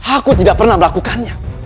aku tidak pernah melakukannya